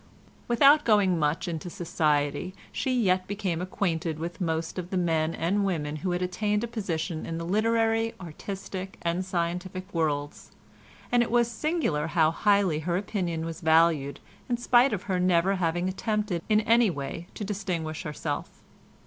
Without going much into society she yet became acquainted with most of the men and women who had attained a position in the literary, artistic and scientific worlds, and it was singular how highly her opinion was valued in spite of her never having attempted in any way to distinguish herself.